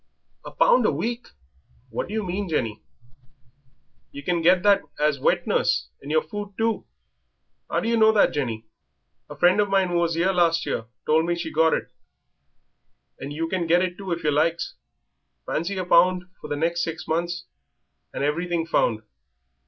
"A pound a week! What do you mean, Jenny?" "Yer can get that as wet nurse, and yer food too." "How do yer know that, Jenny?" "A friend of mine who was 'ere last year told me she got it, and you can get it too if yer likes. Fancy a pound for the next six months, and everything found.